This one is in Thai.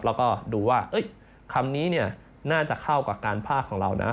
แล้วก็ดูว่าคำนี้น่าจะเข้ากับการภาคของเรานะ